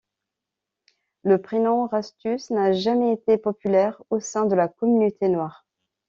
Le prénom Rastus n'a jamais été populaire au sein de la communauté noire.